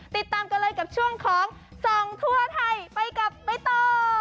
ติดตามกันเลยกับช่วงของส่องทั่วไทยไปกับใบตอง